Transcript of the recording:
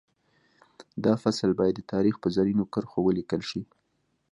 دا فصل باید د تاریخ په زرینو کرښو ولیکل شي